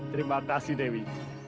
terima kasih dewi